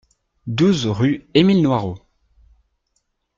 douze rue Emile Noirot